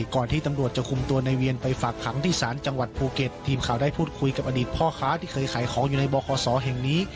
ก่อนที่ตำรวจจะคุมตัวในเวียนไปฝากขังที่ศาลจังหวัดภูเก็ตทีมข่าวได้พูดคุยกับอดีตพ่อค้าที่เคยขายของอยู่ในบคศแห่งนี้